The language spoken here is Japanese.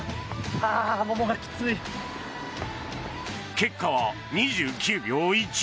結果は２９秒１。